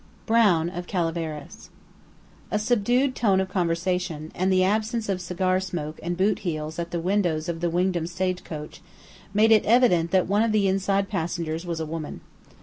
BROWN OF CALAVERAS A subdued tone of conversation, and the absence of cigar smoke and boot heels at the windows of the Wingdam stagecoach, made it evident that one of the inside passengers was a woman.